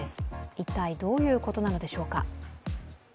一体、どういうことなのでしょうか。